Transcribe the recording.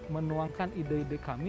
menuangkan ide ide kami